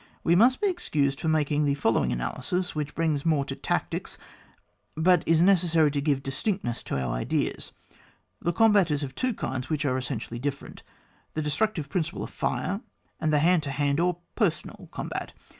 We must be excused for making the following analysis which belongs more to tactics, but is necessary to give dis tinctness to our ideas. The combat is of two kinds, which are essentially different: the destructive principle of fire, and the hand to hand or personal combat.